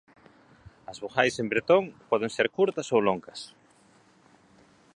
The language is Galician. As vogais en bretón poden ser curtas ou longas.